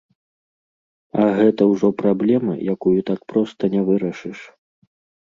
А гэта ўжо праблема, якую так проста не вырашыш.